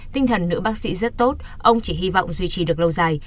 tinh thần nữ bác sĩ rất tốt ông chỉ hy vọng duy trì được lâu dài